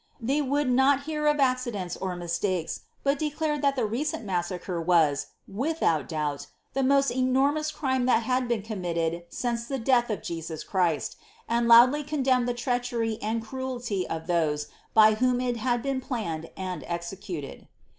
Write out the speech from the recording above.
They woul< hear of accidents or mistakes, but declared that the recent mafracre without doubt, Ihe most enormous crime thai had been committed the death of Jesus Christ, and loudly condemned the treachery cnielty of those bv whom it had been planned and executed.